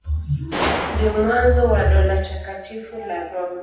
Ndio mwanzo wa Dola Takatifu la Roma.